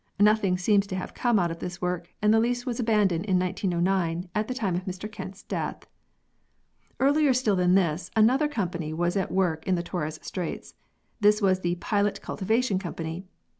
Nothing seems to have come out of this work and the lease was abandoned in 1909 at the time of Mr Kent's death. Earlier still than this, another company was at work in the Torres Straits. This was the "Pilot Cultivation Company."